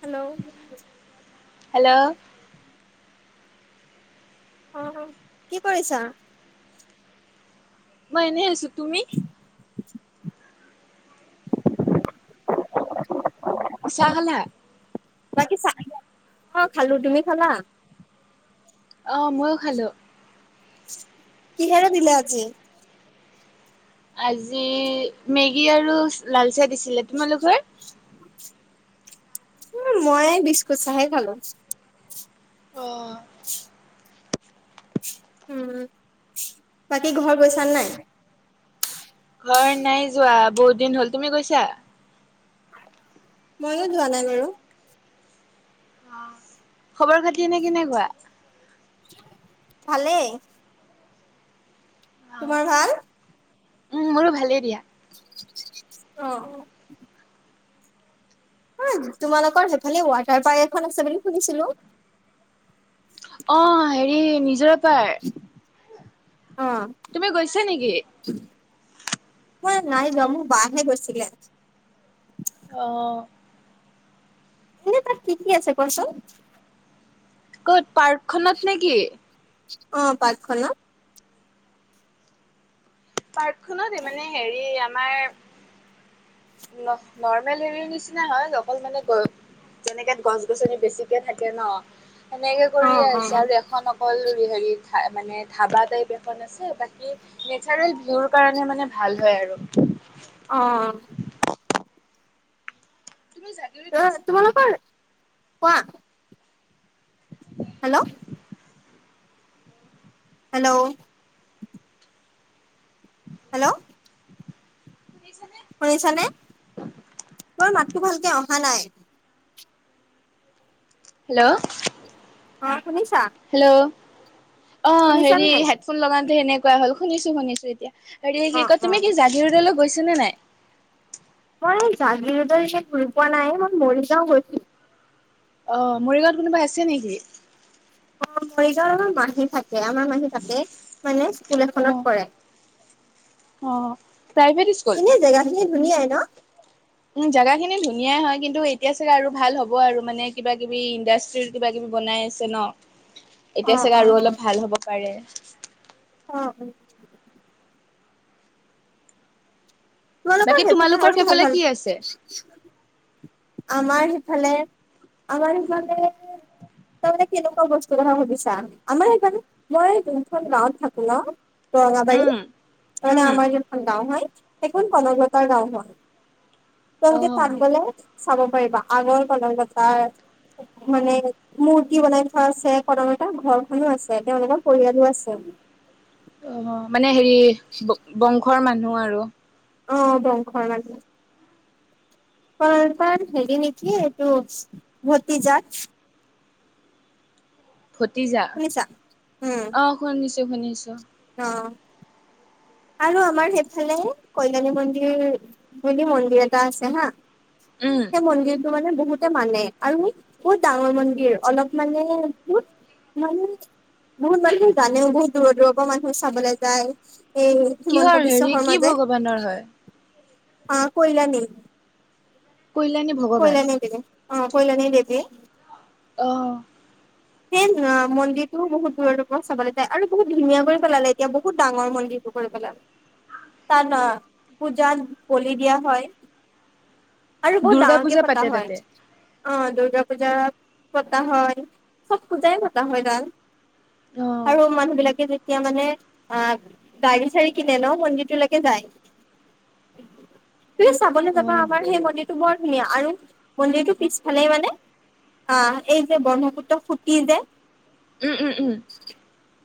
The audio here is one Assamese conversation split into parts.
হেল্ল' হেল্ল' অ কি কৰিছা মই এনে আছো তুমি [inaudible] চাহ খালা বাকী চা অ খালো তুমি খালা অঁ ময়ো খালোঁ কিহৰে দিলে আজি আজি মেগী আৰু লাল চাহ দিছিলে তোমালোকৰ উ মই বিস্কুট চাহে খালো অ [inaudible] উম বাকী ঘৰ গৈছা নাই ঘৰ নাই যোৱা বহুত দিন হল তুমি গৈছা ময়ো যোৱা নাই বাৰু আহ খবৰ খাতি নে কেনেকুৱা ভালেই তোমাৰ ভাল উম মোৰো ভালেই দিয়া অ',। হয় তোমালোকৰ সেইফালে ৱাটাৰ পাৰ্ক এখন আছে বুলি শুধছিলো নিজৰ পাই অ তুমি গৈছা নেকি? মই নাই যোৱা মোক বাহহে গৈছিলে আহ এনে তাৰ কি, কি আছে কোৱা চোন ক'ত পাৰ্কখনত নেকি অ পাৰ্কখন ন পাৰ্কখনতে মানে হেৰি আমাৰ ন নৰ্মেল হেৰিৰ নিচিনা হয় অকল মানে গৈ তেনেকে গছ- গছনি বেছিকে থাকে ন সেনেকে অ কৰি অ আহিছে আৰু এখন অকল হেৰি মানে ধাবা টাইপ এখন আছে বাকী নেচাৰেল ভিউৰ কাৰণে মানে ভাল হয় আৰু অ', তুমি জগিৰোত ত গৈছে নাই তোমালোকৰ কোৱা হেল্ল', হেল্ল' হেল্ল', শুনিছানে শুনিছানে তোৰ মাতটো ভালকে অহা নাই হেল্ল', অ শুনিছা হেল্ল' অ', শুনিছা হেৰি নাই? হেডফোন লগাটো সেনেকুৱা হল শুনিছো শুনিছো এতিয়া হেৰি কি অ', কয় অ', তুমি কি জাগিৰোদৰ গৈছা নে নাই মই জাগিৰোদৰ ঘুৰি পোৱা নাই মই মৰি যাও গৈছো অ মৰিগাঁৱত কোনোবা আছে নেকি অ', মৰিগাঁও আমাৰ মাহী থাকে আমাৰ মাহী তাকে মানে স্কুল এখনত কৰে অঁ এনে জেগাখিনি ধুনীয়াই ন উ জেগা খিনি ধুনীয়াই হয় কিন্তু এতিয়া চাগে আৰু ভাল হ'ব আৰু মানে কিবা কিবি ইণ্ডাষ্ট্ৰিৰ কিবা- কিবি বনাই আছে ন এতিয়া অ', চাগে আৰু অ', অলপ ভাল হ'ব পাৰে অ', অ',। তোমালোকৰ বাকী সেইফালে আৰু ভাল ভাল কি আছে? আমাৰ সিফালে আমাৰ সিফালে তাৰ মানে কেনেকুৱা বস্তুৰ কথা সুধিছা আমাৰ সেইকাৰণে মই দুখন গাঁৱত থাকো ন ৰৰঙাবাৰী উম মানে উম। আমাৰ যিখন গাও হয় সেইখন কজতাৰ গাওঁ হয় তোমালোকে অ' তাত গলে চাব পাৰিবা আগৰ কলংকতাৰ মানে মূৰ্তি বনাই থোৱা আছে কদম এতটা ঘৰখনো আছে তেওঁনেৰ পৰিয়ালো আছে [unintelligible] অ', মানে হেৰি বংশৰ মানুহ আৰু অ বংশৰ লাগে ক তাৰ হেৰি নেকি এইটো ভতিজাত ভতিজা শুনিছা উম অ শুনিছোঁ শুনিছোঁ অ আৰু আমাৰ সেইফালে কল্যাণী মন্দিৰ বুলি মন্দিৰ এটা আছে হা উম। সেই মনগিৰ ত মানে বহুতে মানে আৰু বহুত ডাঙৰ মন্দিৰ অলপ মানে বহুত মানহ বহুত মানুহে জানেও বহুত দূৰৰ দূৰৰ পৰা মানুহ চাবলৈ যায় এই হিমন্ত কিহৰ বিশ্ব শ হেৰি কি মাজ যে ভগৱানৰ হয়? অ কলাণী কল্যাণী কইল ভগৱান। নে দেিবি অ কইল নে দেিব আহ সেই মন্দিৰটো বহুত দূৰৰূৰ পৰা চাবলৈ যায় আৰু বহুত ধুনীয়া কৰি পেলালে এতিয়া বহুত ডাঙৰ মন্দিৰ পেল তাৰ ন পূজ বলি দিয়া হয় আৰু বহুত দুৰ্গা পূজা ডাঙক পতা পাতে হয় তাতে। অ দুূৰ্গা পূজা পতা হয় চব পূজাই পতা হয় গাল অহ আৰু মানুহ বিলাকে যেতিয়া মানে অ গাড় বিচাৰি কিনে ন মন্দিৰটোলৈকে যায় উ তু চাবলৈ যাবা অ'। আমাৰ সেই মন্দিৰটো বৰ ধুনীয়া আৰু মন্দিৰটো পিছফালে মানে আহ এই যে ব্ৰহ্মপুত্ৰ ফুটি যে উম উম উম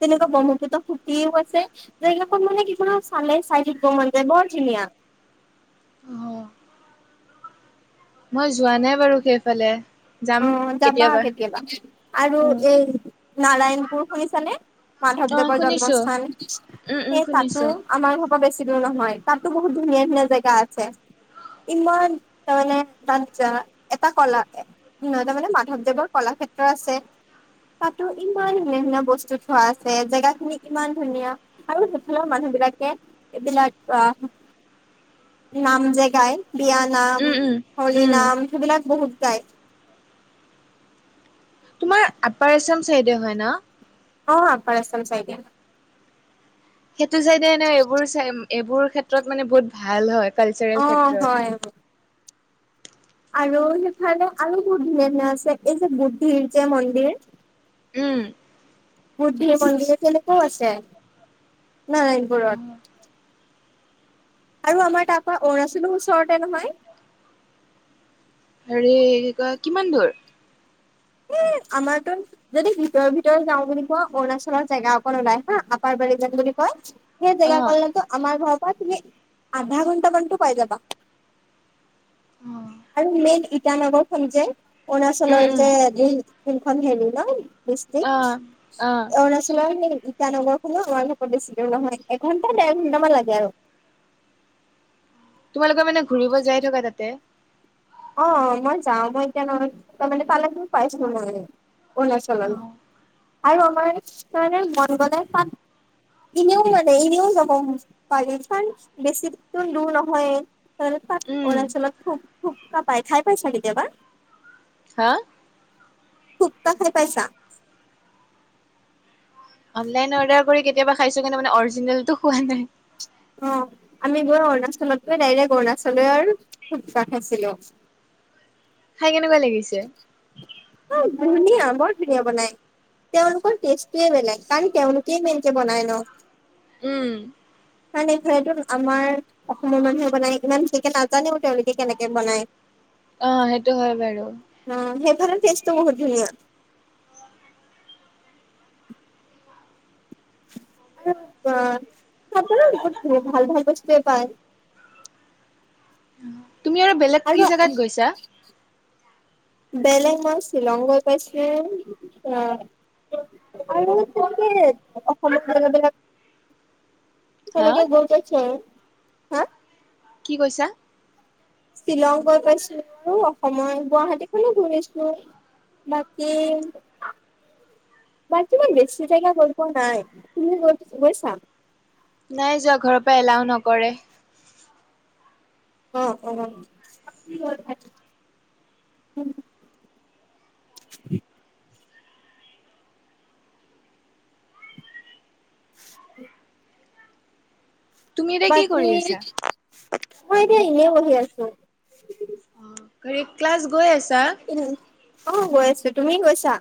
তেনেকুৱা ব্ৰহ্মপুত্ৰ ফুটিও আছে যগিলাাক মানে কো চালে চাইডত ব মন যায় বৰ ধুনীয়া অ' [unintelligible] মই যোৱা নাই বাৰু সেইফালে অ যাবা কেতিয়াবা আৰু উম। এই নাৰায়ণপুৰ শুনিছানে অ মাধৱদেৱৰ শুনিছো জন্মস্থান উম উম সেই তাতো শুনিছো আমাৰ ঘৰৰ বেছি দূৰ নহয় তাতো বহুত ধুনীয়া ধুনীয়া জেগা আছে ইমান তাৰমানে না এটা কলাক তাৰ মানে মাধৱদেৱৰ কলাক্ষেত্ৰ আছে তাতো ইমান ধুনীয়া ধুনীয়া বস্তু থোৱা আছে জেগা খিনি ইমান ধুনীয়া আৰু সিফালৰ মানুহ এইবিলাকে এইবিলাক আহ নাম জেগাই উম বিয়ানাম উম হল উম। নাম সেইবিলাক বহুত গায় তোমাৰ আপাৰ আছাম চাইডে হয় ন অ পাৰচাম চাই দিয় সেইটো চাইডেনে এইবোৰ এইবোৰ ক্ষেত্ৰত মানে বহুত ভাল হয় অ কালচাৰেল হয় ক্ষেত্ৰত আৰু সেইফালে আৰু বু ধিন ধন আছে এই যে বুদ্ধিৰ যে মন্দিৰ উম বুদ্ধি মন্দিৰ কেনেকাও আছে নাই এইপ আৰু আমাৰ তাৰপ অৰুণাচলৰ ওচৰতে নহয় হ ক কিমান দূৰ উ আমাৰতো যদি ভিতৰৰ ভিতৰ যাও বুলি কোৱা অৰুণাচলৰ জেগা অক ওলাই হা আপাৰবাৰিজন বুলি কোৱা সেই অ জেগা কো আমাৰ ঘৰৰ পৰা তুমি আধা ঘন্টামানতটো পাই যাবা আৰু মেইন ইটানগৰখন যে উম অচলৰ উম। যেখন হেৰি ন বেছি অ অ ন আছিলল টানগৰ খো আমাৰ ঘত দিছিলেও নহয় এঘন্টা ডেৰ ঘন্টামান লাগে আৰু [unintelligible] তোমালোকৰ মানে ঘুৰিব যাই থকা তাতে অ মই যাও মই এতিয়া, [unintelligible] পাইছিলো মই অৰুণাচললৈ আৰু আমাৰ কানে মন গলে তাত এনেও মানে এনেও যাব পাৰি কাৰন বেছি দূৰ নহয় এ উম। অৰুণাচলত থপ থুপকা পায় খাই পাইছা কেতিয়াবা হয় ফুতকা খাই পইচা? অনলাইন অৰ্ডাৰ কৰি কেতিয়াব খাইছো কিন্ত অৰিজিনাল টো খোৱা নাই। অ আমি গৈ অৰুণাচলতকৈ ডাইৰেক্ট অৰুণাচল থুপকা খাইছিলো। [unintelligible] খাই কেনেকুৱা লাগিছে, ধুনীয়া বৰ ধুনীয়া বনাই তেওঁলোকৰ টেষ্টটোৱে বেলেগ, কাৰণ তেওঁলোকেই মেইনকে বনায় ন। উম কাৰণ এইফালেটো আমাৰ অসমৰ মানুহে বনায় ইমান ভালকে নাজানেও তেওঁলোকে কেনেকে বনায়। উ [unintelligible] অ সেইটো হয় বাৰু। সেইফালৰ টেষ্টটো বহুত দুনীয়া আৰু, আ চাত [unintelligible] ভাল ভাল বস্তুৱে পায়। তুমি আৰু বেলেগ কি জেগাত গৈছা বেলেগ মই শ্বিলংত গৈ পাইছিলোঁ আহ, আৰু তেওলোকে অসমত খেল বিলাক হা তেনেকে গৈ পাইছে হা, কি কৈছা শ্বিলং গৈ পাইছিলো। আৰু অসমৰ গুৱাহাটীখনো ঘূৰিছিলো। বাকী বাকী ইমান বেছি জেগা গৈ পোৱা নাই, তুমি গৈ পাই--গৈছা নাই যোৱা ঘৰৰ পৰা এলাও নকৰে অ অ অ উ উ তুমি এতিয়া কি বাকি কৰি আছা মই এতিয়া এনে বহি আছো। ঘৰি ক্লাছ গৈ আছ উ আহ গৈ আছো, তুমি গৈছা।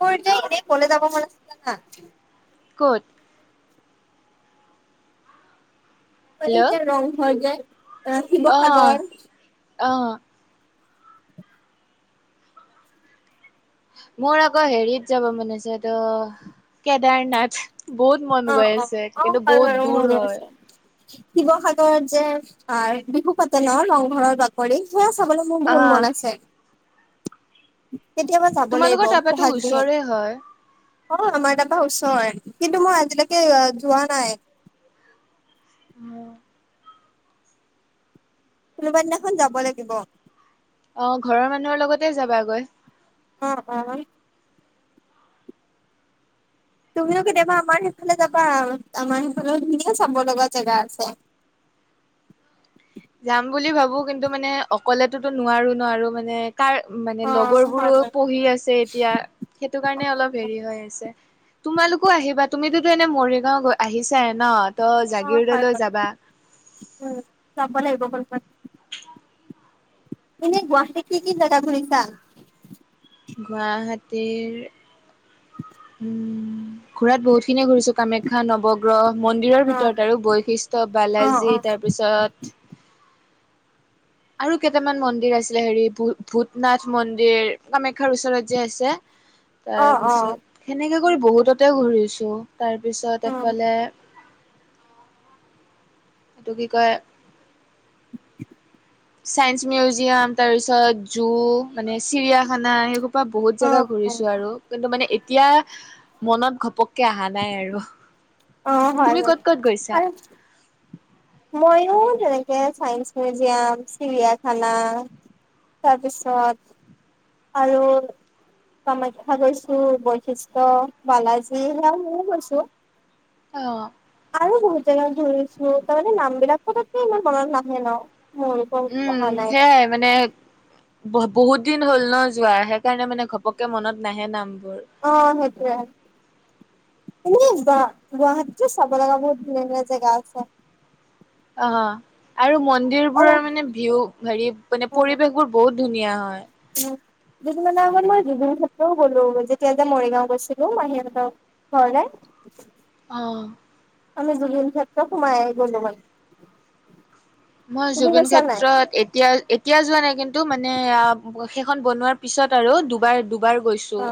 মোৰ যে এনেই কলৈ যাব মান আছে জানা? ক'ত এই হেল্ল' যে ৰংঘৰ যে, এহ অ শিৱসাগৰ অ মোৰ আকৌ হেৰিত যাব মন আছে এইটো কেদাৰনাথ, বহুত মন অ গৈ অ আছে কিন্তু বহুত দূৰ হয়। শিৱসাগৰৰত যে পায় বিহু পাতে ন ৰংঘৰৰ বাকৰি সেইয়া চাবলৈ মোৰ বহুত আহ মন আছে কেতিয়াবা যাব লাগিব তোমালোকৰ তাৰপৰাতো বহাগ ওচৰে বিহুত হয় অ আমাৰ এটা ওচৰ কিন্তু মই আজিলৈকে যোৱা নাই ম কোনোবা দিনাখন যাব লাগিব। অ ঘৰৰ মানুহৰ লগতে যাবাগৈ অ অ [unintelligible] তুমিও কেতিয়াবা আমাৰ সেইফালে যাবা আৰু আমাৰ সেইফালেও ধুনীয়া চাব লগা জেগা আছে। [unintelligible] যাম বুলি ভাবো, কিন্তু মানে অকলেতো নোৱাৰো ন আৰু মানে, কাৰ মানে অ লগৰ হয় বোৰো হয় পঢ়ি আছে এতিয়া সেইটো অ কাৰণে অলপ হেৰি হৈ আছে তোমালোকো আহিবা তুমিতোতো এনে মৰিগাঁও আহিছাই ন ত অ হয় জাগীৰোডলৈ বাৰু যাবা উম ইনে গুৱাহাটী কি কি জেগা ঘুৰিছা গুৱাহাটীৰ উম ঘূৰাত বহুত খিনিয়ে ঘূৰিছো কামাখ্যা নৱগ্ৰহ মন্দিৰৰ অ ভিতৰত আৰু বশিষ্ঠ অ বালাজী অ তাৰপিছত আৰু কেইটামান মন্দিৰ আছিলে হেৰি ভূত ভূতনাথ মন্দিৰ কামাখ্যাৰ ওচৰত যে আছে অ অ তাৰপিছত সেনেকে কৰি বহুততে ঘূৰিছো অ তাৰপিছত এফালে এইটো কি কয় চাইন্স মিউজিয়াম তাৰ পিছত জু মানে চিৰিয়াখানা সেই বহুত অ জেগা অ ঘূৰিছো আৰু কিন্তু মানে এতিয়া মনত ঘপক -কে অহা নাই আৰু অ হয় তুমি ক'ত ক'ত গৈছা ময়ো তেনেকে চাইন্স মিউজিয়াম চিৰিয়াখানা তাৰপিছত আৰু কামাখ্যা গৈছো বশিষ্ঠ বালাজী সেয়া ময়ো গৈছো অ আৰু বহুত জেগা ধৃঘূৰিছো তাৰমানে নাম বিলাক পতককে ইমান মনত নাহে ন মোৰ ওপৰত উম অহা নাই সেয়াই মানে বহুত দিন হ'ল ন যোৱাৰ সেইকাৰণে মানে ঘপককে মনত নাহে নাম অ সেইটোৱে এ গ গুৱাহাটীতো চাব লগা বহুত ধুনীয়া ধুনীয়া জেগা আছে অ আৰু মই অ মন্দিৰবোৰৰ মানে ভিউ হেৰি মানে পৰিবেশবোৰ বহুত ধুনীয়া হয় দুদিনমানৰ আগত মই জুবিন ক্ষেত্ৰও গলো যেতিয়া যে মৰিগাঁও গৈছিলো মাহীহঁতৰ ঘৰলে [inaudible] অ আমি জুবিন ক্ষেত্ৰ সোমাই আহি গ'লো মানে মই তুমি জুবিন গৈছা নাই? ক্ষেত্ৰত এতিয়া এতিয়া যোৱা নাই কিন্তু মানে সেইখন বনোৱাৰ পিছত আৰু দুবাৰ দুবাৰ অ গৈছো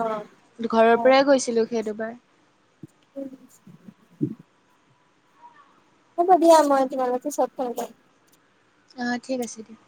অ ঘৰৰ পৰাই গৈছিলো সেই দুবাৰ হব দিয়া মই [unintelligible] অ ঠিক আছে দিয়া